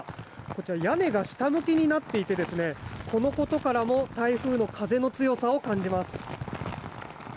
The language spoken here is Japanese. こちら屋根が下向きになっていてこのことからも台風の風の強さを感じます。